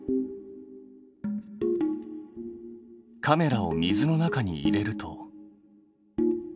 カメラを水の中に入れると。